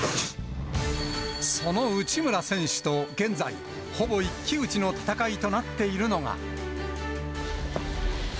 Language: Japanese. その内村選手と現在、ほぼ一騎打ちの戦いとなっているのが。